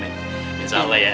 insya allah ya